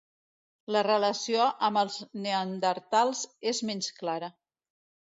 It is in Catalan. La relació amb els Neandertals és menys clara.